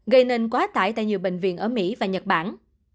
gây nên quá tải tại nhiều bệnh viện ở mỹ và nhật bản